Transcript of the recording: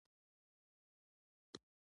او اخر يو ځل ادم خان